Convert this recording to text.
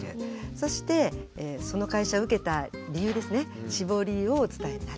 そしてその会社を受けた理由ですね志望理由をお伝えになる。